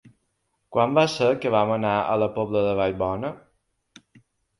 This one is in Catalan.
Quan va ser que vam anar a la Pobla de Vallbona?